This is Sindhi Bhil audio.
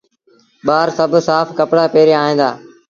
ٻآر سڀ سآڦ ڪپڙآ پهري ائيٚݩ دآ۔